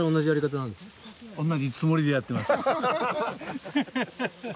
同じつもりでやってます。